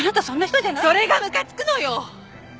それがムカつくのよ！